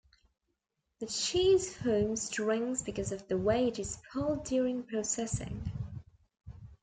The cheese forms strings because of the way it is pulled during processing.